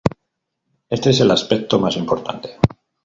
Este es el aspecto más importante.